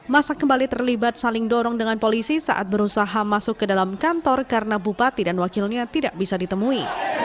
masa kembali terlibat saling dorong dengan polisi saat berusaha masuk ke dalam kantor karena bupati dan wakilnya tidak bisa ditemui